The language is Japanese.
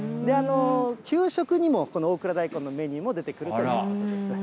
給食にもこの大蔵大根のメニューも出てくるということです。